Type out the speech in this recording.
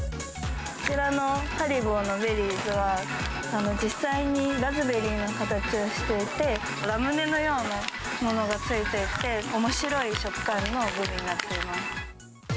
こちらのハリボーのベリーズは、実際にラズベリーの形をしていて、ラムネのようなものがついていて、おもしろい食感のグミになっています。